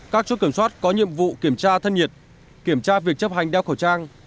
các chốt kiểm soát có nhiệm vụ kiểm tra thân nhiệt kiểm tra việc chấp hành đeo khẩu trang